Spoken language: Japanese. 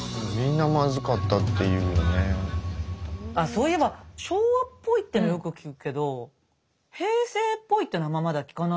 そういえば昭和っぽいっていうのよく聞くけど平成っぽいっていうのあんままだ聞かないわね。